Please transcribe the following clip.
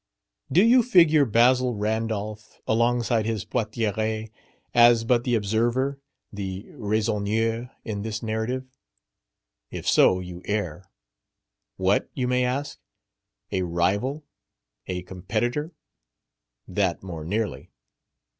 Do you figure Basil Randolph, alongside his portière, as but the observer, the raisonneur, in this narrative? If so, you err. What! you may ask, a rival, a competitor? That more nearly.